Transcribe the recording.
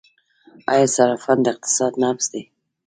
آیا صرافان د اقتصاد نبض دي؟